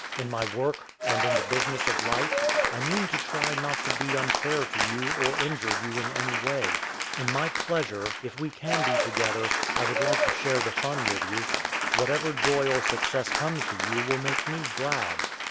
In my work and in the business of life, I mean to try not to be unfair to you or injure you in any way. In my pleasure, if we can be together, I would like to share the fun with you. Whatever joy or success comes to you will make me glad.